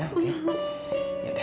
aku akan mencoba